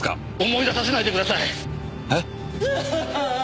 思い出させないでください！え？